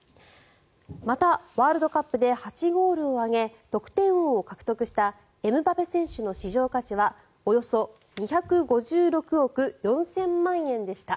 また、ワールドカップで８ゴールを挙げ得点王を獲得したエムバペ選手の市場価値はおよそ２５６億４０００万円でした。